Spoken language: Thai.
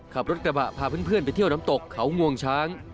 ขับรถกระบะพาเพื่อนไปเที่ยวน้ำตกเขางวงช้าง